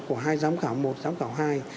của hai giám khảo một giám khảo hai